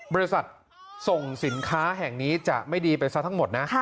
บริษัทส่งสินค้าแห่งนี้จะไม่ดีไปซะทั้งหมดนะ